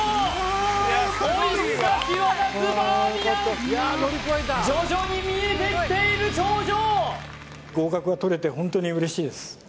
おいしさ際立つバーミヤン徐々に見えてきている頂上！